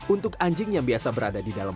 untuk anjing yang biasa berada di dalam